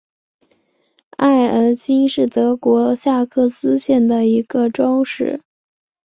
奥埃岑是德国下萨克森州的一个市镇。